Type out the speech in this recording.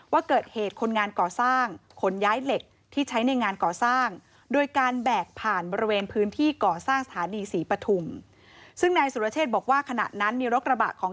ว่าเกิดเหตุคนงานก่อสร้างขนย้ายเหล็กที่ใช้ในงานก่อสร้าง